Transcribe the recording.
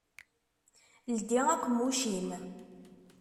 Ldi aqemmuc-im!